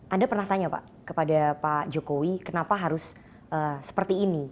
anda pernah tanya pak kepada pak jokowi kenapa harus seperti ini